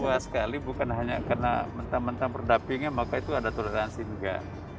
luas sekali bukan hanya karena mentah mentah berdampingan maka itu ada toleransi juga